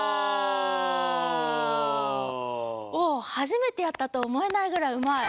お初めてやったと思えないぐらいうまい。